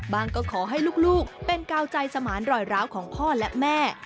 ก็ขอให้ลูกเป็นกาวใจสมานรอยร้าวของพ่อและแม่